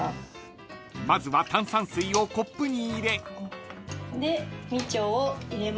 ［まずは炭酸水をコップに入れ］